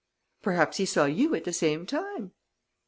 "Perhaps he saw you at the same time."